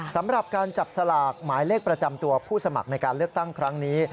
สำหรับการจับสลากหมายเลขประจำตัวผู้สมัครในการเลือกตั้งครั้งนี้